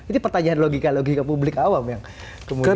itu pertanyaan logika publik awam yang kemudian